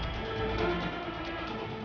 kisah yang ter pixel